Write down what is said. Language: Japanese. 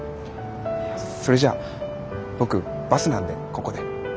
それじゃあ僕バスなんでここで。